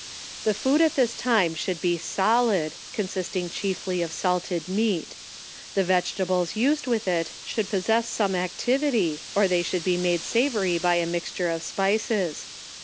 The food at this time should be solid, consisting chiefly of salted meat. — The vegetables used with it should possess some activity, or they should be made savoury by a mixture of spices.